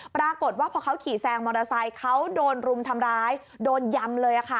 ปรากฏว่าพอเขาขี่แซงมอเตอร์ไซค์เขาโดนรุมทำร้ายโดนยำเลยค่ะ